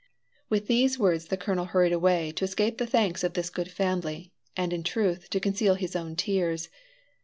With these words the colonel hurried away to escape the thanks of this good family, and, in truth, to conceal his own tears.